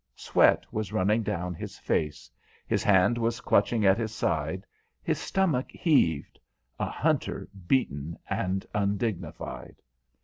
Sweat was running down his face, his hand was clutching at his side, his stomach heaved a hunter beaten and undignified.